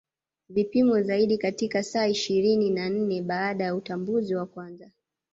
Vipimo zaidi katika saa ishirini na nne baada ya utambuzi wa kwanza